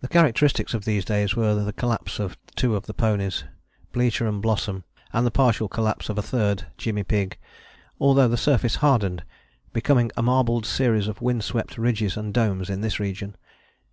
The characteristics of these days were the collapse of two of the ponies, Blücher and Blossom, and the partial collapse of a third, Jimmy Pigg, although the surface hardened, becoming a marbled series of wind swept ridges and domes in this region.